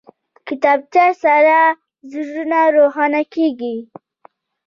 کتابچه سره زړونه روښانه کېږي